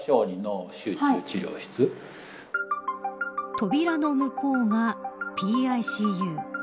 扉の向こうがＰＩＣＵ。